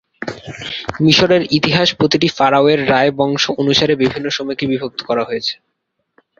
মিশরের ইতিহাস প্রতিটি ফারাও এর রায় রাজবংশ অনুসারে বিভিন্ন সময়কে বিভক্ত করা হয়েছে।